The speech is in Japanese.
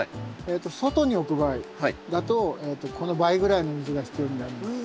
外に置く場合だとこの倍ぐらいの水が必要になります。